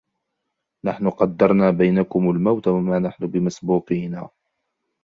نَحْنُ قَدَّرْنَا بَيْنَكُمُ الْمَوْتَ وَمَا نَحْنُ بِمَسْبُوقِينَ